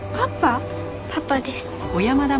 パパです。